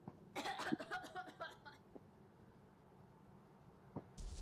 দময়ন্তী কী করে আগে থাকতে জেনেছিলেন যে, বিদর্ভরাজ নলকেই বরণ করে নিতে হবে!